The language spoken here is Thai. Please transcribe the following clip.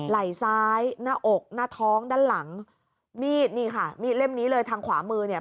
ไหล่ซ้ายหน้าอกหน้าท้องด้านหลังมีดนี่ค่ะมีดเล่มนี้เลยทางขวามือเนี่ย